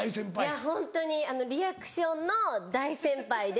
いやホントにリアクションの大先輩で。